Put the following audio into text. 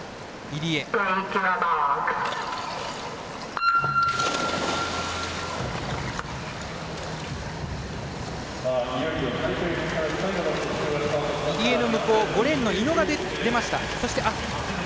入江の向こう５レーンの井野が出ました。